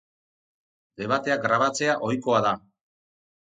Debateak grabatzea ohikoa da.